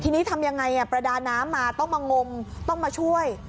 ทีนี้ทำยังไงประดาน้ำมาต้องมางมต้องมาช่วย